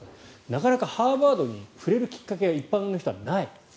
なかなかハーバードに触れるきっかけが一般の人はない。